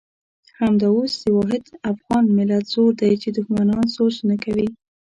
همدا اوس د واحد افغان ملت زور دی چې دښمنان سوچ نه کوي.